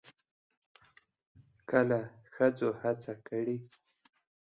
کله ښځو هڅه کړې